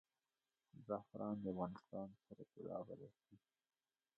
زعفران د افغانستان سره طلا بلل کیږي